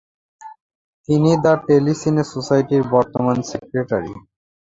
তিনি the tele cine সোসাইটির বর্তমান সেক্রেটারি।